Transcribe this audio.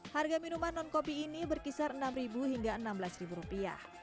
harga minuman non kopi ini berkisar enam hingga enam belas rupiah